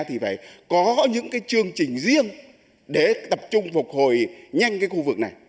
thì phải có những cái chương trình riêng để tập trung phục hồi nhanh cái khu vực này